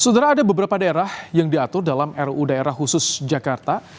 sudah ada beberapa daerah yang diatur dalam ruu daerah khusus jakarta